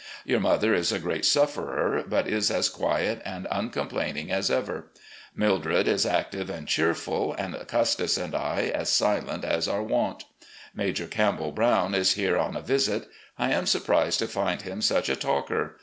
Your mother is a great sufferer, but is as quiet and tm complaining as ever. Mildred is active and cheerful, and Custis and I as silent as our wont. Major Campbell Brown is here on a visit. I am surprised to find him such a talker.